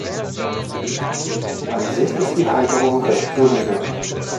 An sich ist die Halterung recht solide.